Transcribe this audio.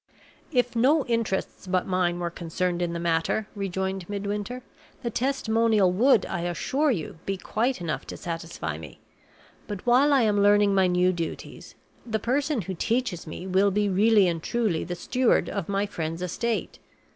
"If no interests but mine were concerned in the matter," rejoined Midwinter, "the testimonial would, I assure you, be quite enough to satisfy me. But while I am learning my new duties, the person who teaches me will be really and truly the steward of my friend's estate.